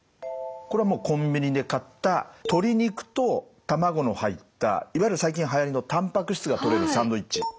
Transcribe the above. これはコンビニで買った鶏肉とたまごの入ったいわゆる最近はやりのたんぱく質がとれるサンドウイッチ。